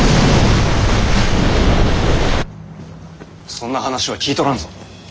そんな話は聞いとらんぞ。